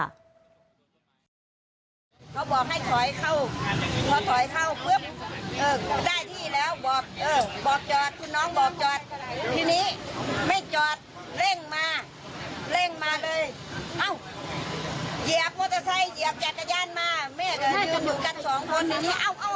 แกทำไมต้องเร่งมาอย่างนี้บอกเอ้ากระโดดเข้าแอบ